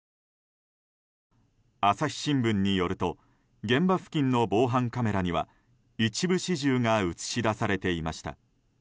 朝日新聞によると現場付近の防犯カメラには一部始終が映し出されていました。